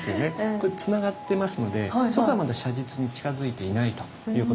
これつながってますのでそこはまだ写実に近づいていないということですよね。